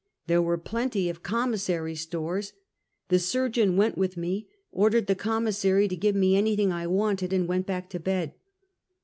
There were plenty of commissary stores. The surgeon went with me, ordered the commissary to give me anything I wanted, and went back to bed.